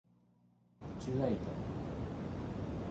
之類的